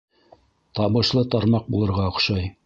Табышлы тармаҡ булырға оҡшай.